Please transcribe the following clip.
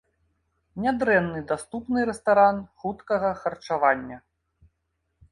Нядрэнны даступны рэстаран хуткага харчавання.